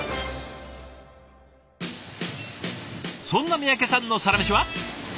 そんな三宅さんのサラメシは。